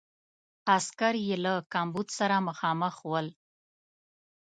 عسکر یې له کمبود سره مخامخ ول.